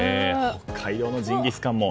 北海道のジンギスカンも。